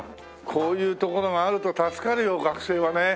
こういう所があると助かるよ学生はね。